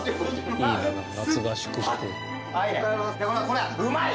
これうまい！